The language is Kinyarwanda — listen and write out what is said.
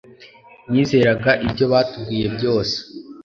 nizeraga ibyo batubwiye byose